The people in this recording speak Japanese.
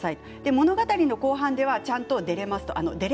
物語の後半ではちゃんとデレます。